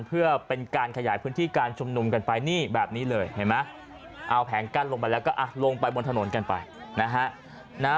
เพื่อเป็นการขยายพื้นที่การชุมนุมกันไปนี่แบบนี้เลยเห็นไหมเอาแผงกั้นลงไปแล้วก็ลงไปบนถนนกันไปนะฮะ